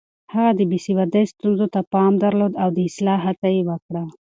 هغه د بې سوادۍ ستونزو ته پام درلود او د اصلاح هڅه يې وکړه.